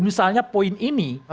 misalnya poin ini